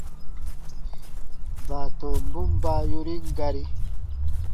Baatɔmbun baa yorin gari.